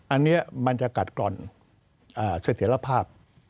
อันนี้มันจะกัดกร่อนเสถียรภาพ